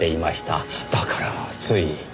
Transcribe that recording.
だからつい。